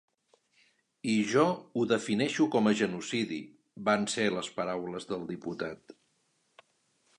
I jo ho defineixo com a genocidi, van ser les paraules del diputat.